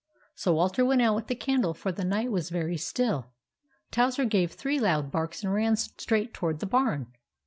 So Walter went out with the candle, for the night was very still. Towser gave three loud barks and ran straight toward the barn.